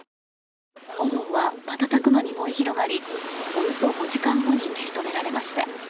炎は瞬く間に燃え広がりおよそ５時間後に消し止められました。